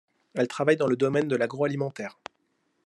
Elle travaille dans le domaine de l'agroalimentaire.